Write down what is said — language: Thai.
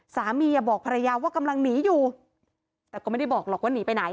สามีบอกภรรยาว่ากำลังหนีอยู่แต่ก็ไม่ได้บอกหรอกว่าหนีไปไหน